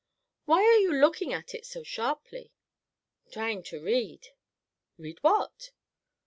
"Why are you looking at it so sharply?" "Trying to read." "Read what?"